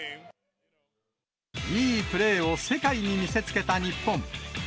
いいプレーを世界に見せつけた日本。